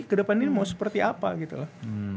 kedepan ini mau seperti apa gitu loh